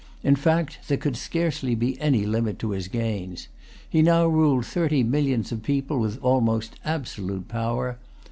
In fact, there could scarcely be any limit to his gains. He now ruled thirty millions of people with almost absolute power.